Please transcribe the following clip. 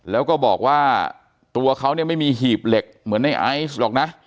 แล้วก็บอกว่าตัวเขาเนี่ยไม่มีหีบเหล็กเหมือนในไอซ์หรอกนะ